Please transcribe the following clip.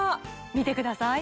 見てください